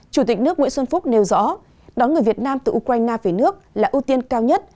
chủ tịch nước nguyễn xuân phúc nêu rõ đón người việt nam từ ukraine về nước là ưu tiên cao nhất